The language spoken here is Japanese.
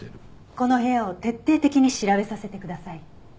この部屋を徹底的に調べさせてください。